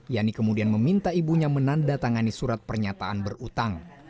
yani kemudian meminta ibunya menandatangani surat pernyataan berutang